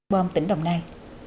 bòm tỉnh đồng nai